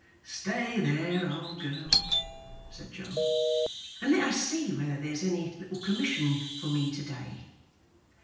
'Stay there, old girl,' said Joe, 'and let us see whether there's any little commission for me to day.